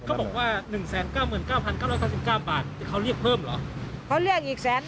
เขาบอกว่า๑๙๙๙๙๙บาทเขาเรียกเพิ่มเหรอ